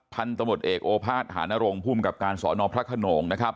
ท่านตำรวจเอกโอภาสหานโรงกรุงพุมกับการสนพทะโขนงนะครับ